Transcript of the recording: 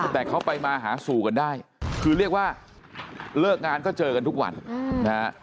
แต่เขาไปมาหาสู่กันได้คือเรียกว่าเลิกงานก็เจอกันทุกวันนะฮะ